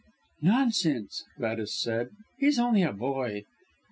"Nonsense," Gladys said, "he is only a boy."